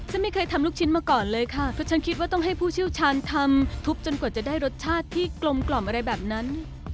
ไม่เคยทำลูกชิ้นมาก่อนเลยค่ะเพราะฉันคิดว่าต้องให้ผู้เชี่ยวชาญทำทุบจนกว่าจะได้รสชาติที่กลมกล่อมอะไรแบบนั้น